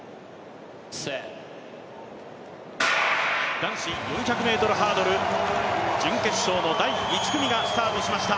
男子４００ｍハードル準決勝の第１組がスタートしました。